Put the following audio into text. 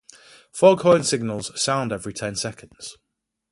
Fog horn signals sound every ten seconds.